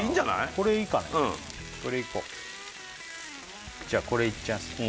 これいこうじゃあこれいっちゃいます